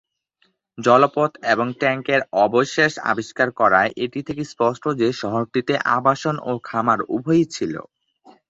জলপথ এবং ট্যাঙ্কের অবশেষ আবিষ্কার করায় এটি থেকে স্পষ্ট যে শহরটিতে আবাসন ও খামার উভয়ই ছিল।